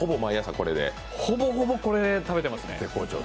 ほぼほぼこれ、食べてますね。